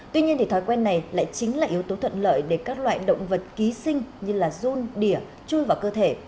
tuy nhiên thói quen này lại chính là yếu tố thuận lợi để các loại động vật ký sinh như là run đỉa chui vào cơ thể